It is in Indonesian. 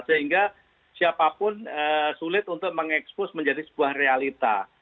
sehingga siapapun sulit untuk mengekspos menjadi sebuah realita